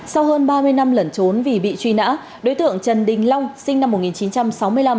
sau hơn ba mươi năm lẩn trốn vì bị truy nã đối tượng trần đình long sinh năm một nghìn chín trăm sáu mươi năm